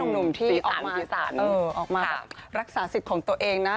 หนุ่มที่ออกมาออกมารักษาสิทธิ์ของตัวเองนะ